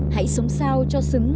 hãy sống sao cho xứng